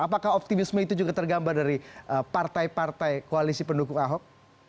apakah optimisme itu juga tergambar dari partai partai koalisi pendukung ahok